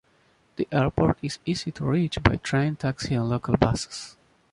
The airport is easy to reach by train, taxi and local buses.